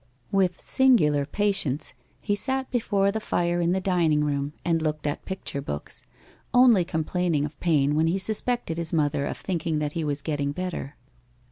With singular patience he sat before the fire in the dining room and looked at picture books, only complaining of pain when he suspected his mother of thinking that he was getting better.